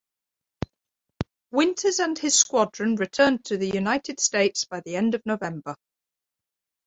Winters and his squadron returned to the United States by the end of November.